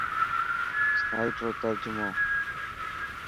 سائيٽ رو ترجمو.